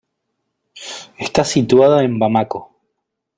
Está situada en Bamako.